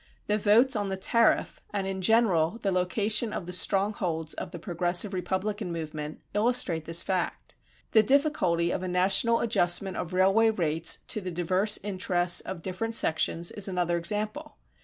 The votes on the tariff, and in general the location of the strongholds of the Progressive Republican movement, illustrate this fact. The difficulty of a national adjustment of railway rates to the diverse interests of different sections is another example.